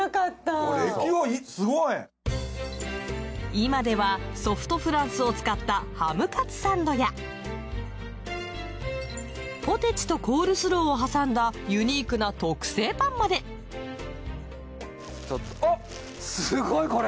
今ではソフトフランスを使ったハムカツサンドやポテチとコールスローを挟んだユニークな特製パンまであっすごいこれ！